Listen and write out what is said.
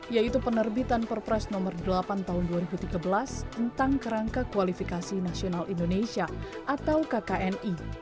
yaitu penerbitan perpres nomor delapan tahun dua ribu tiga belas tentang kerangka kualifikasi nasional indonesia atau kkni